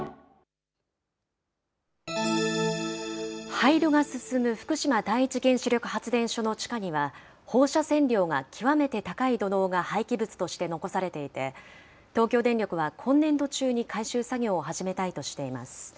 廃炉が進む福島第一原子力発電所の地下には、放射線量が極めて高い土のうが廃棄物として残されていて、東京電力は今年度中に回収作業を始めたいとしています。